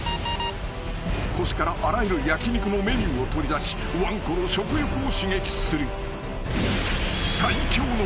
［腰からあらゆる焼き肉のメニューを取り出しわんこの食欲を刺激する］